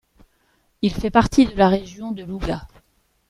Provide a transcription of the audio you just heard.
Il fait partie de la région de Louga.